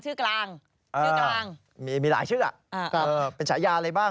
ชื่อกลางมีหลายชื่อเป็นฉายาอะไรบ้า